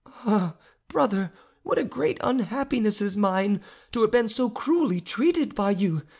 Ah, brother, what a great unhappiness is mine, to have been so cruelly treated by you!